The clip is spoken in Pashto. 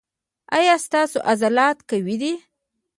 ایا ستاسو عضلات قوي دي؟